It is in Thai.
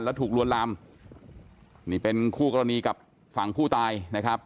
แล้วถูกลวนลามนี่เป็นคู่กรณีกับฝั่งผู้ตายนะครับ